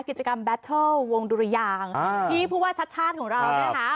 กิจกรรมแบตเทิลวงดุรยางที่ผู้ว่าชัดชาติของเรานะคะ